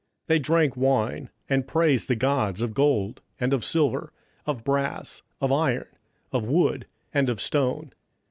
27:005:004 They drank wine, and praised the gods of gold, and of silver, of brass, of iron, of wood, and of stone.